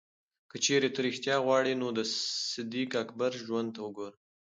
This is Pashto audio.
که چېرې ته ریښتیا غواړې، نو د صدیق اکبر ژوند ته وګوره.